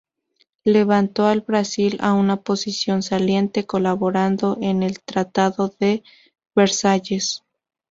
Levantó al Brasil a una posición saliente, colaborando en el Tratado de Versalles.